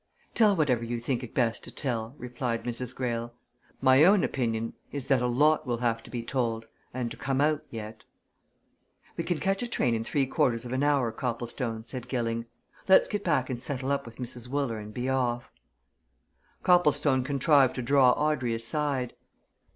"Tell whatever you think it best to tell," replied Mrs. Greyle. "My own opinion is that a lot will have to be told and to come out, yet." "We can catch a train in three quarters of an hour, Copplestone," said Gilling. "Let's get back and settle up with Mrs. Wooler and be off." Copplestone contrived to draw Audrey aside.